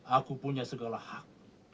aku punya segala hak